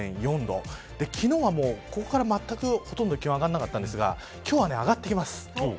昨日は、ここからまったく気温が上がらなかったんですが今日は上がっていきます。